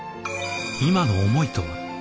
今の思いとは？